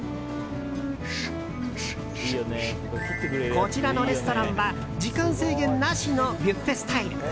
こちらのレストランは時間制限なしのビュッフェスタイル。